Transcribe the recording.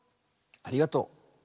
ありがとう。